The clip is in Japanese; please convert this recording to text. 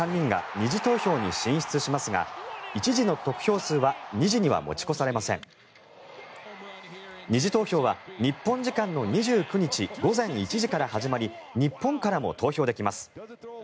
２次投票は日本時間の２９日午前１時から始まり日本からも投票できます。